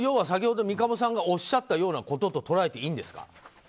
先ほど三鴨さんがおっしゃったようなことと捉えていいんですか。